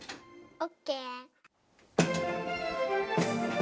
オッケー。